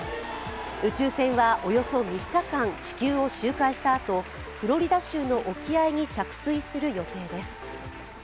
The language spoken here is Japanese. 宇宙船はおよそ３日間地球を周回したあとフロリダ州の沖合に着水する予定です。